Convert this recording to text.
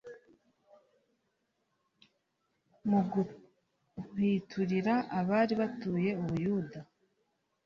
Mu guhwiturira abari batuye Ubuyuda